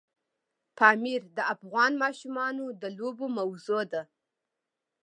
پامیر د افغان ماشومانو د لوبو موضوع ده.